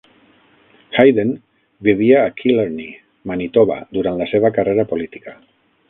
Hayden vivia a Killarney, Manitoba, durant la seva carrera política.